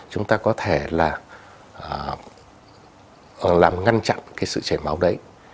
chúng ta có thể là làm ngăn chặn cái sự chảy máu đấy